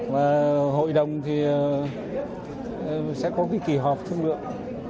và hội đồng thì sẽ có cái kỳ họp thương lượng